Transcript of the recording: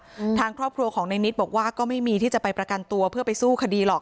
อืมทางครอบครัวของในนิดบอกว่าก็ไม่มีที่จะไปประกันตัวเพื่อไปสู้คดีหรอก